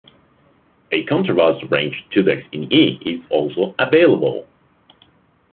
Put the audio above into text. A contrabass-range tubax in E is also available.